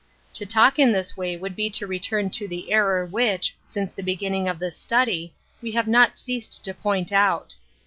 ^ To talk in this way would be to return to the error which, since the beginning of this study, we have not ceased to point out.